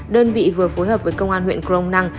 đơn vị vừa phối hợp với công an huyện crong năng